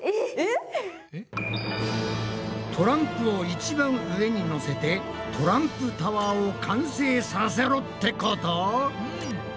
トランプを一番上にのせてトランプタワーを完成させろってこと？